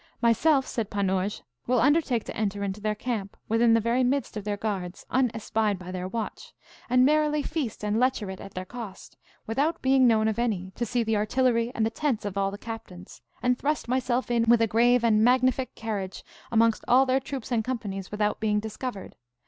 Myself, said Panurge, will undertake to enter into their camp, within the very midst of their guards, unespied by their watch, and merrily feast and lecher it at their cost, without being known of any, to see the artillery and the tents of all the captains, and thrust myself in with a grave and magnific carriage amongst all their troops and companies, without being discovered.